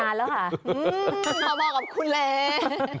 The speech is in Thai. อื้อมากับคุณแหละ